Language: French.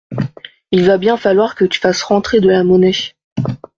Il va bien falloir que tu fasses rentrer de la monnaie.